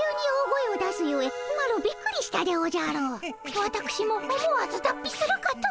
わたくしも思わず脱皮するかと。